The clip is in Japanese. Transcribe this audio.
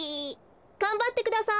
がんばってください！